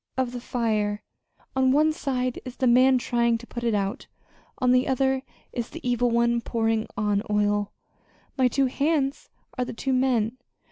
of the fire. On one side is the man trying to put it out; on the other, is the evil one pouring on oil. My two hands are the two men.